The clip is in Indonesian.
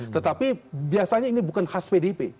tetapi biasanya ini bukan khas pdip